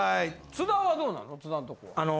津田はどうなの？